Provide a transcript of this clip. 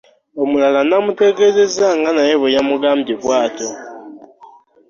Omulala n'amutegeeza nga naye bwe yamugambye bw'atyo.